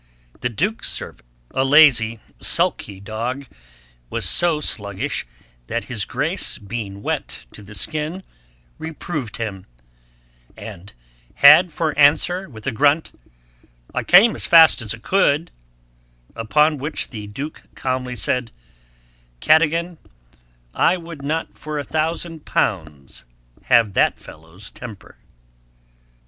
The Dukes servant, a lazy sulky dog, was so sluggish, that his Grace being wet to the skin, reproved him, and had for answer with a grunt, 'I came as fast as I could,' upon which the Duke calmly said, 'Cadogan, I would not for a thousand pounds have that fellow's temper!'